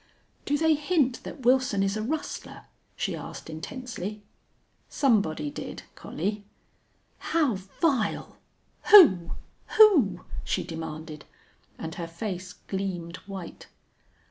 "Do they hint that Wilson is a rustler?" she asked, intensely. "Somebody did, Collie." "How vile! Who? Who?" she demanded, and her face gleamed white.